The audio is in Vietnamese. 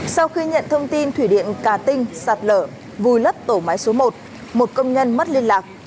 sau khi nhận thông tin thủy điện cà tinh sạt lở vùi lấp tổ máy số một một công nhân mất liên lạc